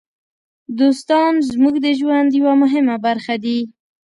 دوستان زموږ د ژوند یوه مهمه برخه دي.